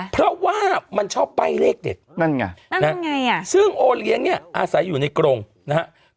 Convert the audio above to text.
เพราะว่ามันชอบป้ายเลขเด็ดนั่นไงซึ่งโอเลี้ยงเนี่ยอาศัยอยู่ในกรงนะครับ